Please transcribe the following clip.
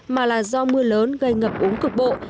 mà là do mưa lớn gây ngập uống cực bộ